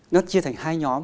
nó chia thành hai nhóm